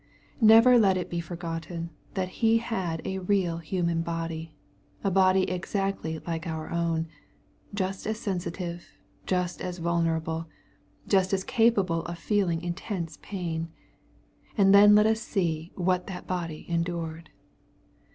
Never let it be forgotten that He had a real human body, a body exactly like our ovm, just as sensitive, just as vulnerable, just as capable of feeling intense pain. And then let us see what that body en dured.